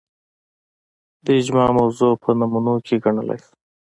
د اجماع موضوع په نمونو کې ګڼلای شو